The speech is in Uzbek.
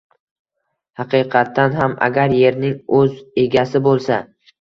Haqiqatan ham agar yerning o‘z egasi bo‘lsa